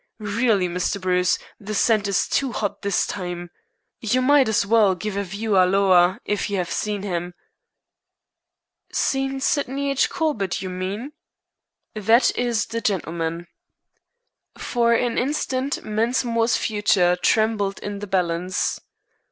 Really, Mr. Bruce, the scent is too hot this time. You might as well give a 'View halloa' if you have seen him." "Seen Sydney H. Corbett, you mean?" "That is the gentleman." For an instant Mensmore's future trembled in the balance.